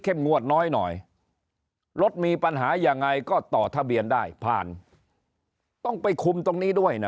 งวดน้อยหน่อยรถมีปัญหายังไงก็ต่อทะเบียนได้ผ่านต้องไปคุมตรงนี้ด้วยนะ